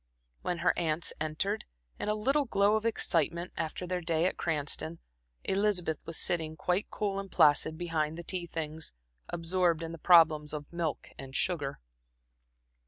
When her aunts entered, in a little glow of excitement after their day at Cranston, Elizabeth was sitting quite cool and placid behind the tea things, absorbed in the problems of milk and sugar.